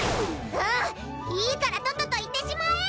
ああいいからとっとと行ってしまえ！